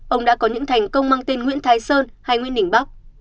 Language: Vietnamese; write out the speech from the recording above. ông đã có những thành công mang tên nguyễn thái sơn hay nguyễn đình bắc